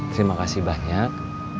terima kasih banyak